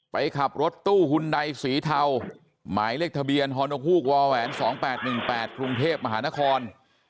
ไปขับรถตู้หุ่นใดสีเทาหมายเลขทะเบียนฮนกฮูกวแหวน๒๘๑๘กรุงเทพมหานคร